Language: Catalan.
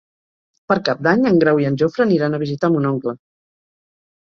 Per Cap d'Any en Grau i en Jofre aniran a visitar mon oncle.